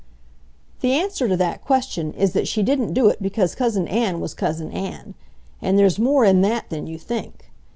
The answer to that question is that she didn't do it because Cousin Ann was Cousin Ann. And there's more in that than you think!